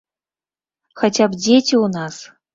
Хаця б дзеці ў нас!